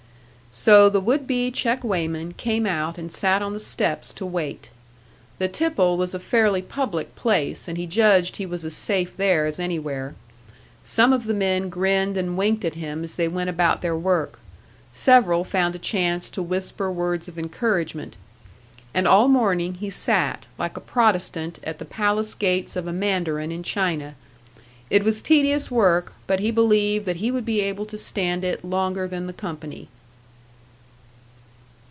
So the would be check weighman came out and sat on the steps to wait. The tipple was a fairly public place, and he judged he was as safe there as anywhere. Some of the men grinned and winked at him as they went about their work; several found a chance to whisper words of encouragement. And all morning he sat, like a protestant at the palace gates of a mandarin in China, It was tedious work, but he believed that he would be able to stand it longer than the company.